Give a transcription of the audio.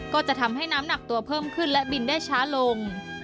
ก็จะทำให้น้ำหนักตัวเพิ่มขึ้นและบินได้ช้าลง